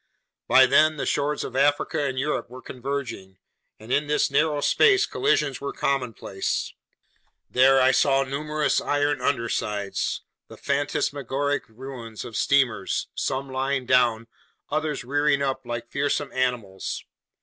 By then the shores of Africa and Europe were converging, and in this narrow space collisions were commonplace. There I saw numerous iron undersides, the phantasmagoric ruins of steamers, some lying down, others rearing up like fearsome animals.